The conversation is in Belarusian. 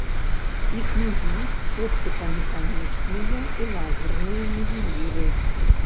Існуюць оптыка-механічныя і лазерныя нівеліры.